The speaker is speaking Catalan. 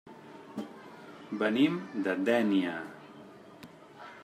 Venim de Dénia.